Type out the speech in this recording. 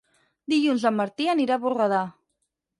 Dilluns en Martí anirà a Borredà.